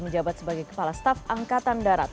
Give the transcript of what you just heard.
menjabat sebagai kepala staf angkatan darat